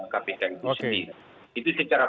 kpk itu sendiri itu secara